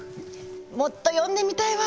もっと読んでみたいわ！